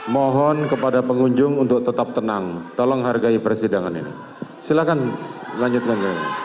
mohon kepada pengunjung untuk tetap tenang tolong hargai persidangan ini silahkan lanjutkan